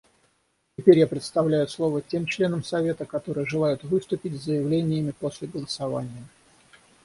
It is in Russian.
Теперь я предоставляю слово тем членам Совета, которые желают выступить с заявлениями после голосования.